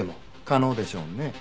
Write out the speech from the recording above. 可能でしょうね。